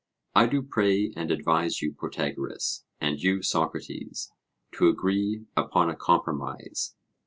I do pray and advise you, Protagoras, and you, Socrates, to agree upon a compromise.